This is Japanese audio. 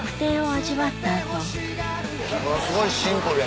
ものすごいシンプルや